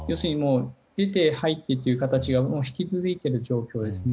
出て入ってという形が引き続いている状況ですね。